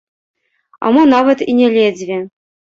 А мо нават і не ледзьве.